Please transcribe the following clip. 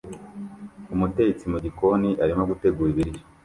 Umutetsi mu gikoni arimo gutegura ibiryo